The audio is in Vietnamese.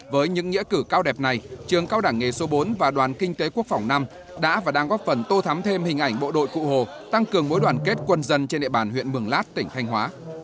với những nghĩa cử cao đẹp này trường cao đoạn nghề số bốn và đoàn kinh tế quốc phòng nam đã và đang góp phần tô thắm thêm hình ảnh bộ đội cụ hồ